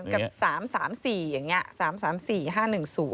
เหมือนกับสามสามสี่อย่างเงี้ยสามสามสี่ห้าหนึ่งศูนย์